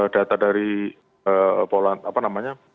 data dari pola apa namanya